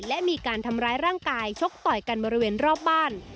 และมีการทำร้ายร่างกายชกต่อยกันบริเวณรอบบ้าน